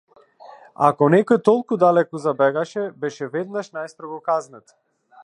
Ако некој толку далеку забегаше беше веднаш најстрого казнет.